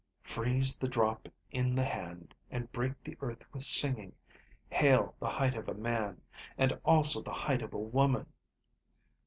"_Freeze the drop in the hand, and break the earth with singing. Hail the height of a man, and also the height of a woman.